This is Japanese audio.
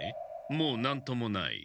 もう何ともない。